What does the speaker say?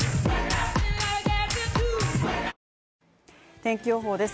天気予報です。